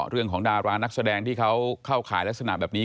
เรื่องของดารานนักแสดงที่เขาเข้าขายลักษณะแบบนี้